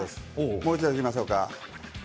もう一度いきましょうか。